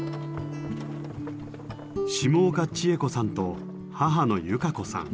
下岡千恵子さんと母の有佳子さん。